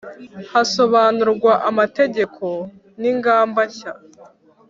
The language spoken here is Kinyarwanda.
hasobanurwa amategeko n ingamba nshya